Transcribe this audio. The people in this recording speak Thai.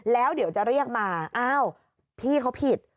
แล้วเดี๋ยวจะเรียกมาอ้าวพี่เขาผิด